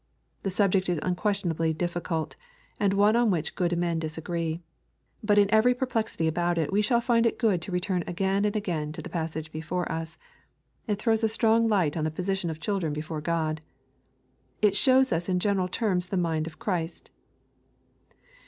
The subject is unquestionably difficult, and one on which good men disagree. But in every perplexity about it we shall find it good to return again and again to the passage before us. It throws a strong light on the position of children before God. It shows us in general terms the mind of Christ.